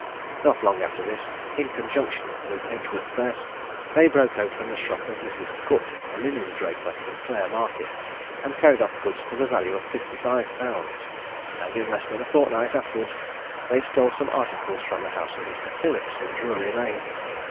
Not long after this, in conjunction with Edgeworth Bess, they broke open the shop of Mrs. Cook, a linen draper in Clare Market, and carried off goods to the value of 55_l._; and in less than a fortnight afterwards, they stole some articles from the house of Mr. Phillips in Drury Lane.